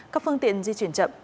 các phương tiện di chuyển chậm